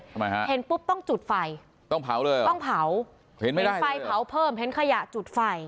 ทำไมฮะเห็นปุ๊บต้องจุดไฟต้องเผาเลยเหรอต้องเผาเห็นไหมต้องไฟเผาเพิ่มเห็นขยะจุดไฟ